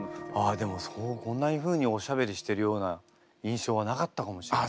でもこんなふうにおしゃべりしてるような印象はなかったかもしれない。